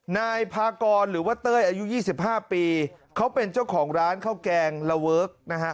นายพากรหรือว่าเต้ยอายุ๒๕ปีเขาเป็นเจ้าของร้านข้าวแกงละเวิร์คนะฮะ